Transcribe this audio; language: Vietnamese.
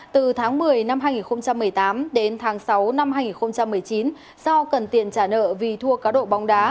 từ tháng một mươi năm hai nghìn một mươi tám đến tháng sáu năm hai nghìn một mươi chín do cần tiền trả nợ vì thua cá độ bóng đá